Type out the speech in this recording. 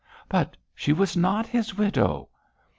'But she was not his widow!'